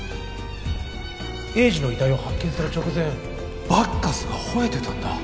栄治の遺体を発見する直前バッカスが吠えてたんだ